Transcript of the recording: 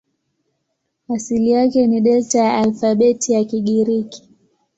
Asili yake ni Delta ya alfabeti ya Kigiriki.